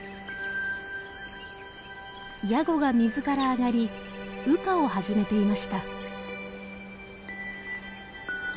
ヤゴが水から上がり羽化を始めていました。